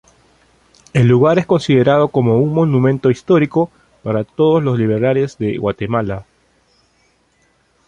El lugar es considerado como un monumento histórico para todos los liberales de Guatemala.